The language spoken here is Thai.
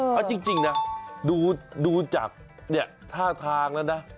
เพราะจริงนะดูจากเนี่ยท่าทางล่ะนะ